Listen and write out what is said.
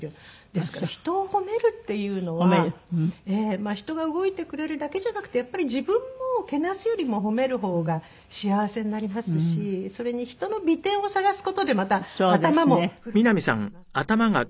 ですから人を褒めるっていうのは人が動いてくれるだけじゃなくてやっぱり自分もけなすよりも褒める方が幸せになりますしそれに人の美点を探す事でまた頭もフル回転しますので。